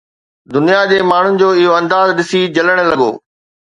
دنيا جي ماڻهن جو اهو انداز ڏسي جلڻ لڳو